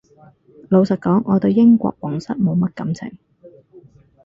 老實講我對英國皇室冇乜感情